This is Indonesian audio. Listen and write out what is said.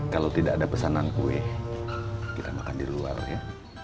kalau tidak ada pesanan kue kita makan di luar ya